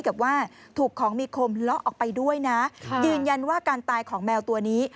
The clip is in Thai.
กับว่าถูกของมีคมเลาะออกไปด้วยนะยืนยันว่าการตายของแมวตัวนี้